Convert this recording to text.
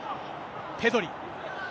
ペドリ。